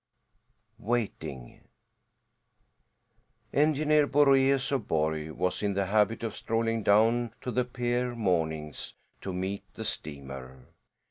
WAITING Engineer Boraeus of Borg was in the habit of strolling down to the pier mornings to meet the steamer.